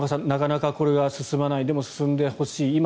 なかなかこれが進まないでも進んでほしい。